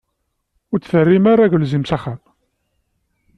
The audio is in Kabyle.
Ur d-terrim ara agelzim s axxam.